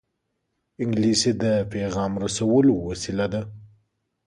انګلیسي د پېغام رسولو وسیله ده